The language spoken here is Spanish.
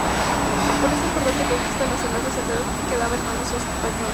Con esta importante conquista la Zelanda central quedaba en manos españolas.